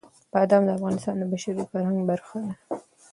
بادام د افغانستان د بشري فرهنګ برخه ده.